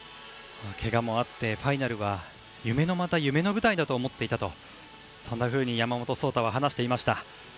けがもあってファイナルは夢のまた夢の舞台だと思っていたとそんなふうに山本草太は話していました。